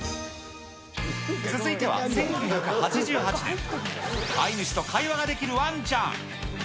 続いては、１９８８年、飼い主と会話ができるワンちゃん。